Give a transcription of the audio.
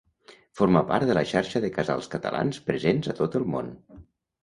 Forma part de la xarxa de Casals Catalans presents a tot el món.